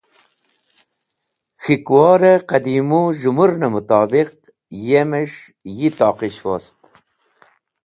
K̃hikwor-e qidimũ z̃hũmũrn-e mutobiq, yemes̃h Yi-toqish wost.